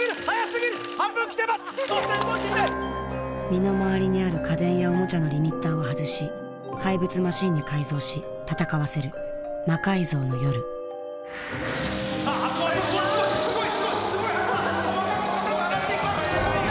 身の回りにある家電やおもちゃのリミッターを外し怪物マシンに改造し戦わせる「魔改造の夜」さあすごいすごいすごい！